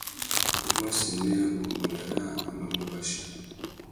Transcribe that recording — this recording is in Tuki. I mú assênē umbuênê râā a mà mú bachia.